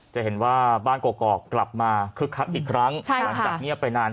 จะเห็นว่าบ้านกรอกกลับมาคึกคักอีกครั้งหลังจากเงียบไปนาน